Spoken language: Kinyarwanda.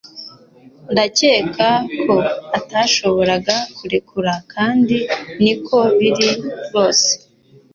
Ndakeka ko atashoboraga kurekura kandi niko biri rwose